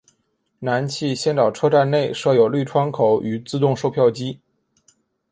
南气仙沼车站内设有绿窗口与自动售票机。